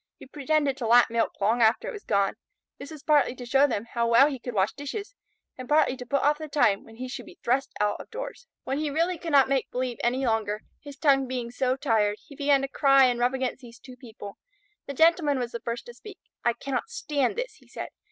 He pretended to lap milk long after it was gone. This was partly to show them how well he could wash dishes, and partly to put off the time when he should be thrust out of doors. [Illustration: THE KITTEN LAPPED UP HIS MILK. Page 6] When he really could not make believe any longer, his tongue being so tired, he began to cry and rub against these two people. The Gentleman was the first to speak. "I cannot stand this," he said.